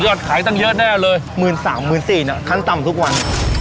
โอ้ยยอดขายตั้งเยอะแน่เลยหมื่นสามหมื่นสี่เนอะคันตำทุกวัน